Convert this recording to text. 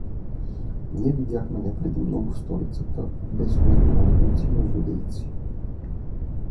Ние видяхме не преди много в столицата обесването на неколцина злодейци.